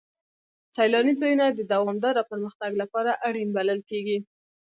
سیلاني ځایونه د دوامداره پرمختګ لپاره اړین بلل کېږي.